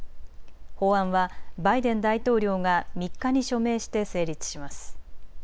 法案はバイデン大統領が３日に署名して成立します。